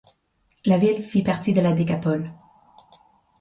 La ville fit partie de la Décapole.